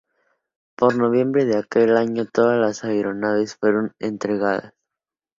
Por noviembre de aquel año, todas las aeronaves fueron entregadas.